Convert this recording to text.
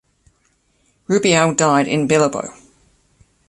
Rubial died in Bilbao.